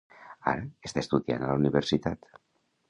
Ara, està estudiant a la universitat.